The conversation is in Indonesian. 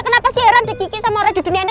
kenapa sih heran dikiki sama orang di dunia ini